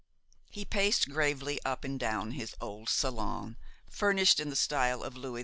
He paced gravely up and down his old salon, furnished in the style of Louis XV.